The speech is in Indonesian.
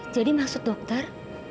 jadi maksud dokter